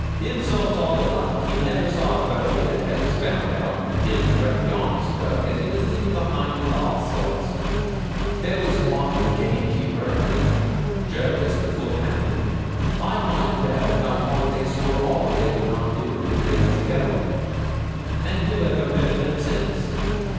Them sort's all alike you never saw a rogue yet that was found out and didn't threaten the honest folk as he was leaving behind with all sorts; there was Martin the gamekeeper, and Jervis the footman, I mind well how hard they swore all they would not do when they was a going, and who ever heard of them since?